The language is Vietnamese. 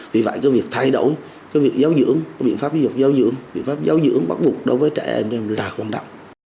vì vậy cái việc thay đổi cái việc giáo dưỡng cái biện pháp giáo dưỡng biện pháp giáo dưỡng bắt buộc đối với trẻ em là quan trọng